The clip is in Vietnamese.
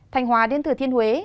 thành hòa đến thừa thiên huế